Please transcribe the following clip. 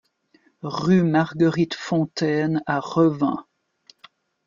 Rue Marguerite Fontaine à Revin